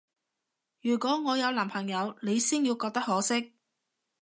如果我有男朋友，你先要覺得可惜